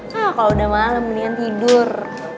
hah kalau udah malam mendingan tidur